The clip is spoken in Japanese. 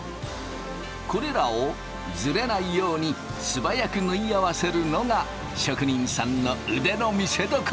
これらをずれないように素早く縫い合わせるのが職人さんの腕の見せどころ。